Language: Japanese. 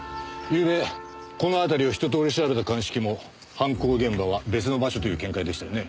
ゆうべこの辺りを一通り調べた鑑識も犯行現場は別の場所という見解でしたよね。